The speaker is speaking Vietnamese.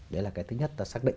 đấy là cái thứ nhất ta xác định